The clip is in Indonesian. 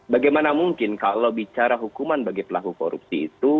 bagaimana mungkin kalau bicara hukuman bagi pelaku korupsi itu